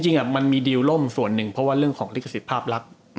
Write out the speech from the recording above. จริงมันมีดีล่มส่วนหนึ่งเพราะว่าเรื่องของลิขสิทธิภาพลักษณ์